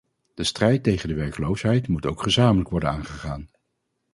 De strijd tegen de werkloosheid moet ook gezamenlijk worden aangegaan.